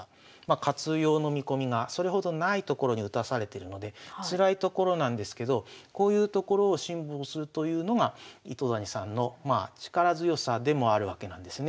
活用の見込みがそれほどない所に打たされてるのでつらいところなんですけどこういうところを辛抱するというのが糸谷さんの力強さでもあるわけなんですね。